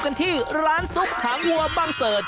เครื่องเทศ